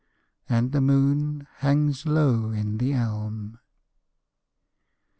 _And the moon hangs low in the elm.